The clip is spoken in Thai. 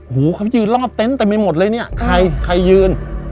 หูเขาไปยืนรอบเต็นต์เต็มไปหมดเลยเนี่ยใครใครยืน